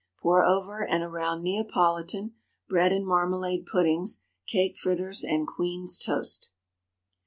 Pour over and around Neapolitan, bread and marmalade puddings, cake fritters, and Queen's toast.